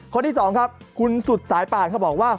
คนที่สองครับคุณสุดสายป่านเขาบอกว่า